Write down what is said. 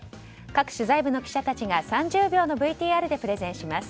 各取材部の記者たちが３０秒のＶＴＲでプレゼンします。